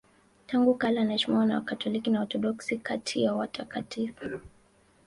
Tangu kale anaheshimiwa na Wakatoliki na Waorthodoksi kati ya watakatifu.